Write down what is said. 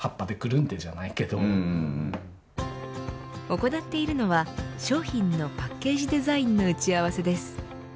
行っているのは商品のパッケージデザインの打ち合わせです。